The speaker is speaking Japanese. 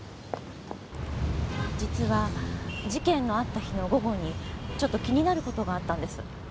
実は事件のあった日の午後にちょっと気になる事があったんです。